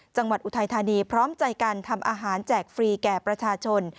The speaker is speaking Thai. อุทัยธานีพร้อมใจกันทำอาหารแจกฟรีแก่ประชาชน